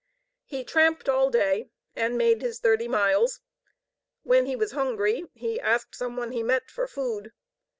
He tramped all day, and made his thirty miles. When he was hungry, he asked some one he met for food.